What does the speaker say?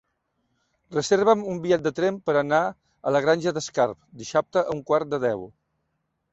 Reserva'm un bitllet de tren per anar a la Granja d'Escarp dissabte a un quart de deu.